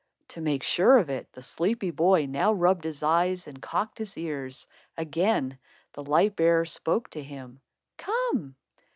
To make sure of it, the sleepy boy now rubbed his eyes and cocked his ears. Again, the light bearer spoke to him: "Come."